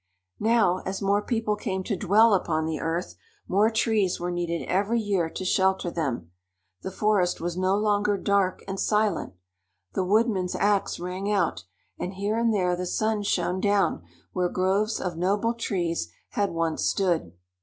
Now, as more people came to dwell upon the earth, more trees were needed every year to shelter them. The forest was no longer dark and silent. The woodman's ax rang out, and here and there the sun shone down where groves of noble trees had once stood.